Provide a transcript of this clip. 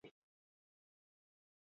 Lau ahizpa ditu, bera bigarrena delarik.